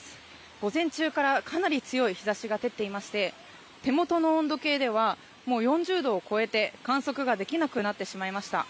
午前中からかなり強い日差しが照っていまして手元の温度計ではもう４０度を超えて観測ができなくなってしまいました。